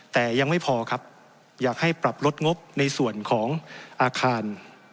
แต่ยังไม่พอครับอยากให้ปรับลดงบในส่วนของอาคาร